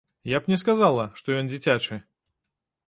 Я б не сказала, што ён дзіцячы.